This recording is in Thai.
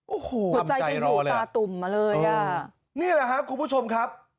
โอ้โหความใจรอเลยอ่ะนี่แหละครับคุณผู้ชมครับ